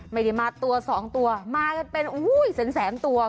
ไม่ได้มาตัวสองตัวมากันเป็นแสนตัว